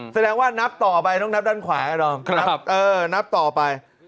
แสดงว่านับต่อไปต้องแนะนำด้านขวาให้นำ